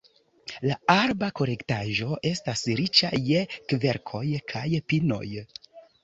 La arba kolektaĵo estas riĉa je kverkoj kaj pinoj.